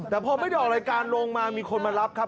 แต่พอไม่ได้ออกรายการลงมามีคนมารับครับ